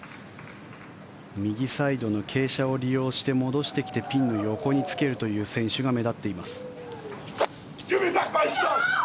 右サイドの傾斜を利用して戻してきてピンの横につけるという選手が目立っています。